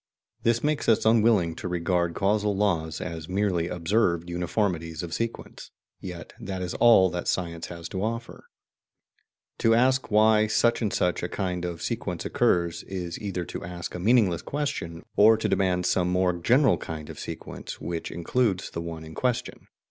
This makes us unwilling to regard causal laws as MERELY observed uniformities of sequence; yet that is all that science has to offer. To ask why such and such a kind of sequence occurs is either to ask a meaningless question, or to demand some more general kind of sequence which includes the one in question.